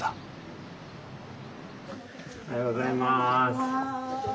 おはようございます。